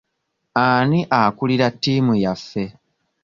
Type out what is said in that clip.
Ani akulira ttiimu yaffe?